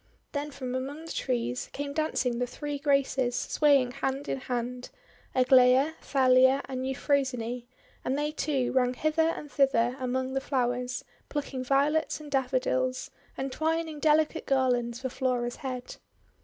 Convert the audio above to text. Then from among the trees came dancing the Three Graces, swaying hand in hand, — Aglaia, Thalia, and Euphrosyne. And they, too, ran hither and thither among the flowers, plucking 108 THE WONDER GARDEN Violets and Daffodils, and twining delicate gar lands for Flora's head.